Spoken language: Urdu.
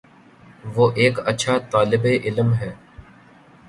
وہ ایک اچھا طالب علم ہے